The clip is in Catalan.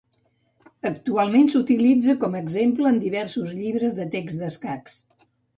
Actualment s'utilitza com a exemple en diversos llibres de text d'escacs.